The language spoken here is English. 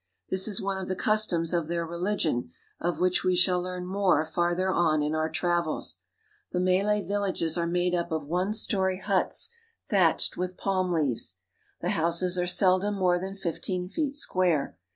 This is one of the customs of their religion, of which we shall learn more farther on in our travels. The Malay villages are made up of one story huts thatched with palm leaves. The houses are seldom more than fifteen feet square.